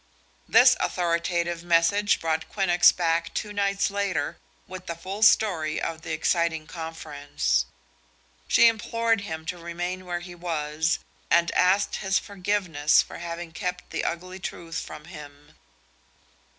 This authoritative message brought Quinnox back two nights later with the full story of the exciting conference. She implored him to remain where he was, and asked his forgiveness for having kept the ugly truth from him.